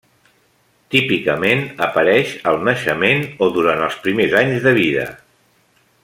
Típicament apareix al naixement o durant els primers anys de vida.